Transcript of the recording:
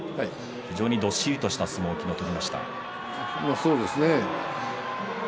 非常にどっしりとした相撲をそうですね。